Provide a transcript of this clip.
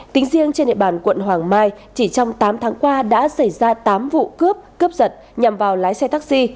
tính riêng trên địa bàn quận hoàng mai chỉ trong tám tháng qua đã xảy ra tám vụ cướp cướp giật nhằm vào lái xe taxi